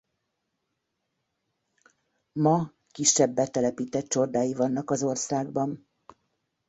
Ma kisebb betelepített csordái vannak az országban.